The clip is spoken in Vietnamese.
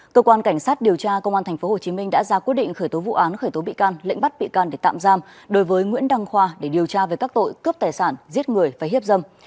cơ quan cảnh sát điều tra công an tp hcm đã ra quyết định khởi tố vụ án khởi tố bị can lệnh bắt bị can để tạm giam đối với nguyễn đăng khoa để điều tra về các tội cướp tài sản giết người và hiếp dâm